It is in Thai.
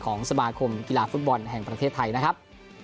สมาคมกีฬาฟุตบอลแห่งประเทศไทยนะครับ